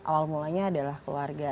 awal mulanya adalah keluarga